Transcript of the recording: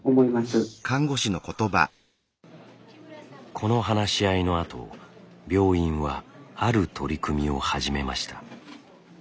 この話し合いのあと病院はある取り組みを始めました。